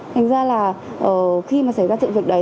thành ra là khi mà xảy ra sự việc đấy